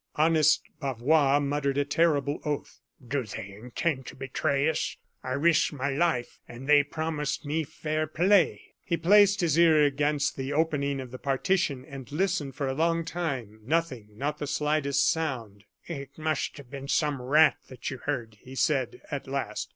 Honest Bavois muttered a terrible oath. "Do they intend to betray us? I risked my life, and they promised me fair play." He placed his ear against an opening in the partition, and listened for a long time. Nothing, not the slightest sound. "It must have been some rat that you heard," he said, at last.